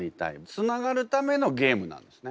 つながるためのゲームなんですね。